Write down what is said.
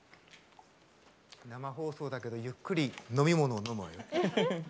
生放送だけどゆっくり飲み物を飲むわよ。